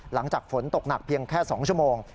หลังจากฝนตกหนักเพียงแค่๒ชั่วโมง